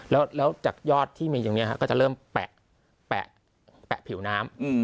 แล้วจากยอดที่มีอย่างนี้ก็จะเริ่มแปะผิวน้ำ